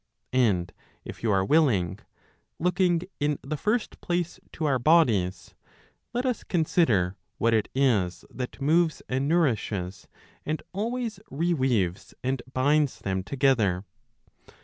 And if you are willing, looking in the first place to our bodies, let us consider what it is that moves and nourishes, and always reweaves, and binds them together?